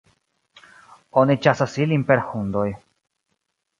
Oni ĉasas ilin per hundoj.